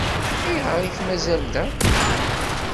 Ayɣer ay k-mazal da?